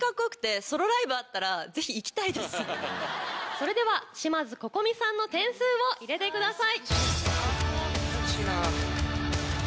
それでは島津心美さんの点数を入れてください。